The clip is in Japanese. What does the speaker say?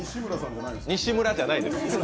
西村じゃないです。